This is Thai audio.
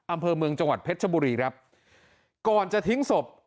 อำเภอเมืองจังหวัดเพชรชบุรีครับก่อนจะทิ้งศพ